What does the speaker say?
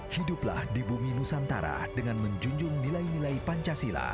hiduplah di bumi nusantara dengan menjunjung nilai nilai pancasila